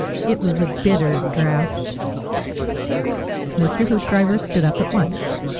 It was a bitter draught. Mr. Hoopdriver stood up at once.